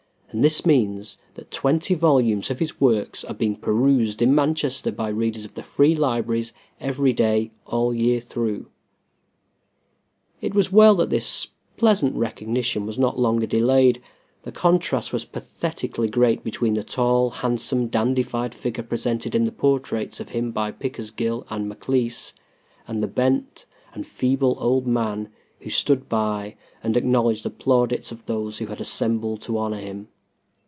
And this means that twenty volumes of his works are being perused in Manchester by readers of the free libraries every day all the year through." It was well that this pleasant recognition was not longer delayed. The contrast was pathetically great between the tall, handsome, dandified figure presented in the portraits of him by Pickersgill and Maclise, and the bent and feeble old man who stood by and acknowledged the plaudits of those who had assembled to honor him.